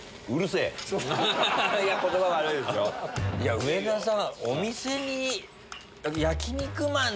上田さん！